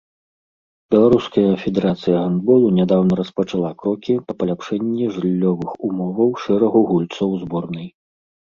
Беларуская федэрацыя гандболу нядаўна распачала крокі па паляпшэнні жыллёвых умоваў шэрагу гульцоў зборнай.